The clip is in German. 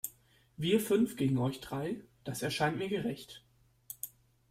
Wir fünf gegen euch drei, das erscheint mir gerecht.